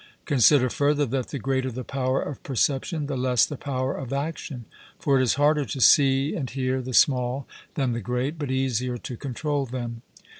Consider further, that the greater the power of perception, the less the power of action. For it is harder to see and hear the small than the great, but easier to control them.